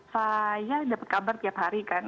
saya dapat kabar tiap hari kan